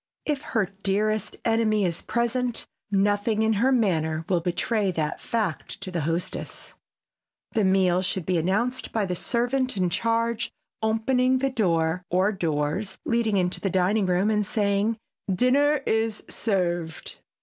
If her dearest enemy is present nothing in her manner will betray that fact to the hostess. The meal should be announced by the servant in charge opening the door or doors leading into the dining room and saying, "Dinner is served."